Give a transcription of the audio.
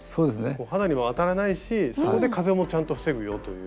肌にも当たらないしそこでちゃんと風も防ぐよという。